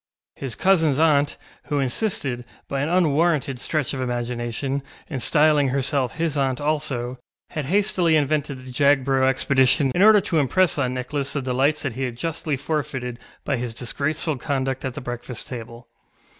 His cousinsŌĆÖ aunt, who insisted, by an unwarranted stretch of imagination, in styling herself his aunt also, had hastily invented the Jagborough expedition in order to impress on Nicholas the delights that he had justly forfeited by his disgraceful conduct at the breakfast table.